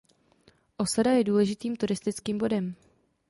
Osada je důležitým turistickým bodem.